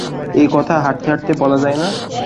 এই কথা হাঁটতে-হাঁটতে বলা যায় না।